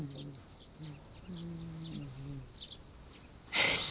よし。